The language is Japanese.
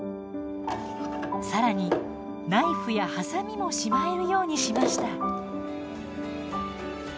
更にナイフやハサミもしまえるようにしました。